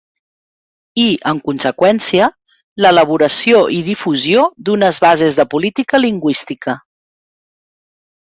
I, en conseqüència, l'elaboració i difusió d'unes bases de política lingüística.